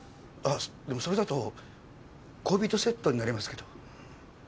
あっでもそれだと恋人セットになりますけど。